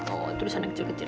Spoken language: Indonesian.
oh itu tulisan kecil kecil